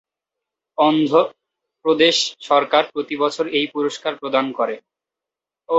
অন্ধ্রপ্রদেশ সরকার প্রতি বছর এই পুরস্কার প্রদান করে।